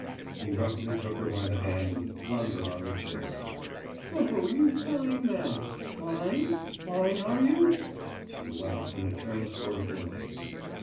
« He roughly took her by the hand and flung her on the chair. »Oh, you fine man! Fine? Fine, are you?« She laughed in a transport of delight.